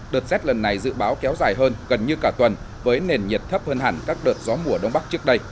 đợt rét lần này dự báo kéo dài hơn gần như cả tuần với nền nhiệt thấp hơn hẳn các đợt gió mùa đông bắc trước đây